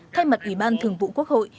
thay mặt ủy ban thường vụ quốc hội